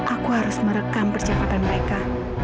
aku harus merekam percepatan mereka